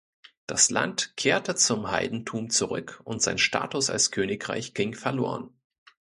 Das Land kehrte zum Heidentum zurück und sein Status als Königreich ging verloren.